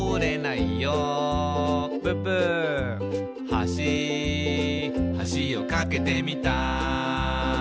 「はしはしを架けてみた」